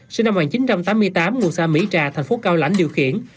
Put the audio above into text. sinh năm một nghìn chín trăm tám mươi tám nguồn xa mỹ trà thành phố cao lãnh điều khiển